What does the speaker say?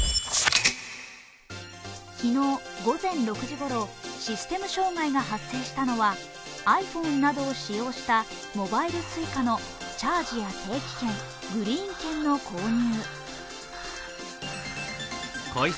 昨日、午前６時ごろシステム障害が発生したのは、ｉＰｈｏｎｅなどを使用したモバイルＳｕｉｃａのチャージや定期券、グリーン券の購入。